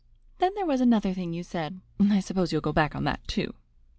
"Then there was another thing you said, and I suppose you'll go back on that, too.